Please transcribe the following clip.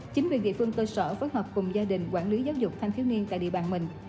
chính vì vị phương tôi sở phối hợp cùng gia đình quản lý giáo dục thanh thiếu niên tại địa bàn mình